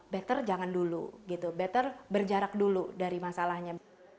better jangan dulu gitu better berjarak dulu dari masalahnya